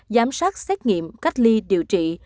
giám sát xét nghiệm cách ly điều trị